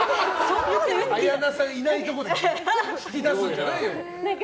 綾菜さんいないところで聞き出すんじゃないよ。